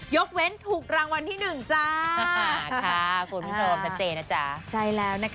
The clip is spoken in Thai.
ยกเว้นถูกรางวัลที่ดี